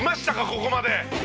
ここまで！